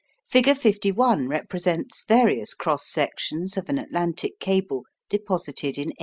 Figure 51 represents various cross sections of an Atlantic cable deposited in 1894.